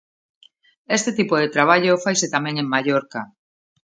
Este tipo de traballo faise tamén en Mallorca.